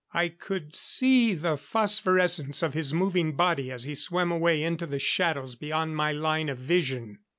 I could see the phosphorescence of his moving body as he swam away into the shadows beyond my line of vision.